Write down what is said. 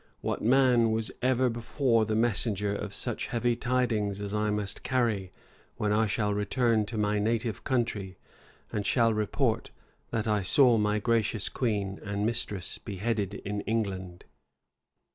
what man was ever before the messenger of such heavy tidings as I must carry, when I shall return to my native country, and shall report, that I saw my gracious queen and mistress beheaded in England?"